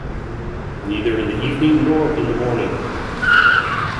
Neither in the evening nor in the morning.